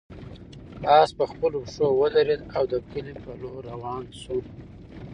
آس په خپلو پښو ودرېد او د کلي په لور روان شو.